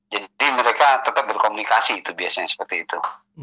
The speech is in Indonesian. jadi mereka tetap berkomunikasi itu biasanya seperti itu